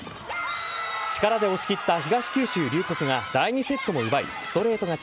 力で押し切った東九州龍谷が第２セットも奪いストレート勝ち。